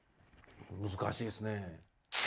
難しいですね。